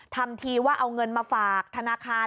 ทำทีว่าเอาเงินมาฝากธนาคาร